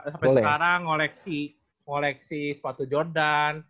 sampai sekarang ngoleksi sepatu jordan